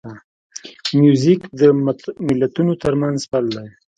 موزیک د ملتونو ترمنځ پل دی.